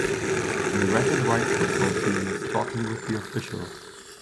The red and white football team is talking with the officials.